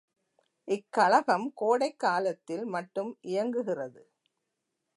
இக்கழகம் கோடைக் காலத்தில் மட்டும் இயங்குகிறது.